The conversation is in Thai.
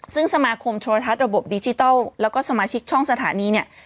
ซึ่งสมาคมโทรทัศน์ระบบดิจิทัลแล้วก็สมาชิกช่องสถานีเนี่ย